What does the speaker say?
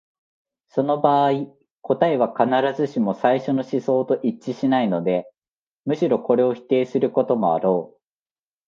その場合、答えは必ずしも最初の思想と一致しないで、むしろこれを否定することもあろう。